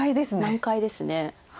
難解です。